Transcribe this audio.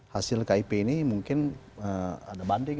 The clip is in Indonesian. hasil kip ini mungkin ada banding